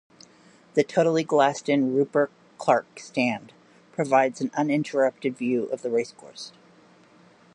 The totally glassed in Rupert Clarke stand provides an uninterrupted view of the racecourse.